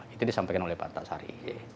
itu disampaikan oleh pak antasari